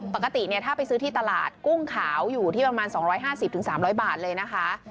ปกติเนี่ยถ้าไปซื้อที่ตลาดกุ้งขาวอยู่ที่ประมาณ๒๕๐๓๐๐บาทเลยนะคะ